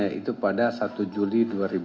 yaitu pada satu juli dua ribu sembilan belas